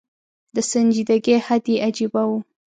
د سنجیدګۍ حد یې عجېبه و.